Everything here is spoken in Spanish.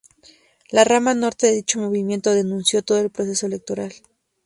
La rama norte de dicho movimiento denunció todo el proceso electoral.